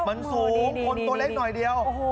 มันสูงคนตัวเล็กหน่อยเดียว